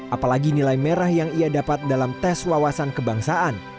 apalagi nilai merah yang ia dapat dalam tes wawasan kebangsaan